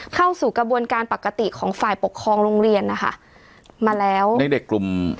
เข้าสู่กระบวนการปกติของฝ่ายปกครองโรงเรียนนะคะมาแล้วในเด็กกลุ่ม